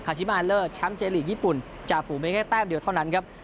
คาชิมาฮัลเลอร์แชมป์เจรีย์ลีกญี่ปุ่นจะฝูไปแค่แต้มเดียวเท่านั้นครับ